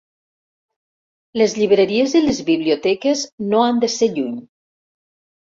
Les llibreries i les biblioteques no han de ser lluny.